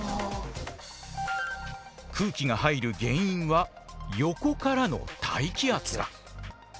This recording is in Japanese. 空気が入る原因は横からの大気圧だ。